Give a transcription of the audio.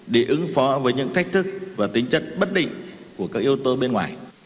để ứng phó với những thách thức và tính chất bất định của các yếu tố bên ngoài